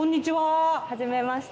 はじめまして。